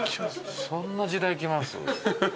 そんな時代来ます？